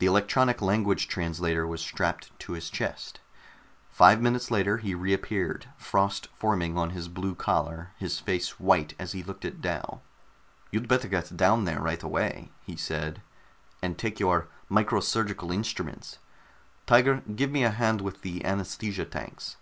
The electronic language translator was strapped to his chest. Five minutes later he reappeared, frost forming on his blue collar, his face white as he looked at Dal. "You'd better get down there right away," he said, "and take your micro surgical instruments. Tiger, give me a hand with the anaesthesia tanks.